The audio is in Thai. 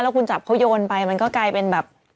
คุณจับเขาโยนไปมันก็กลายเป็นแบบ